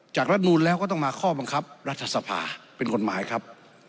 รัฐนูลแล้วก็ต้องมาข้อบังคับรัฐสภาเป็นกฎหมายครับ